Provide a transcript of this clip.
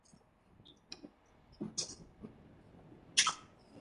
شەوی وا بوو دە و دوازدە حافزم لەخۆم کۆ دەکردەوە